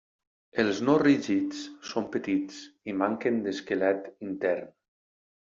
Els no rígids són petits i manquen d'esquelet intern.